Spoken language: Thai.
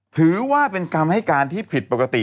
ถือว่าเป็นคำให้การที่ผิดปกติ